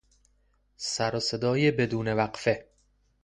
سر و صدای بدون وقفه